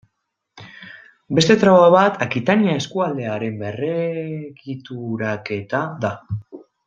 Beste traba bat Akitania eskualdearen berregituraketa da.